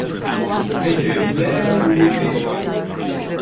It is very big.